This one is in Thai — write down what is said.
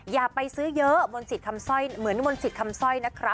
อย่าไปซื้อเยอะมนสิตคำซ่อยอย่างมนสิตคำซ่อยนะครับ